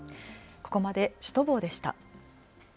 ここまでシュトボーでした。